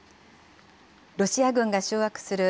ロシア軍が掌握する